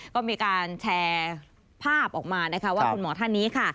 ก็มีการแชร์ภาพออกมานะคะว่าคุณหมอท่านนี้ค่ะ